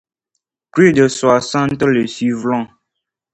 Plus de soixante le suivront.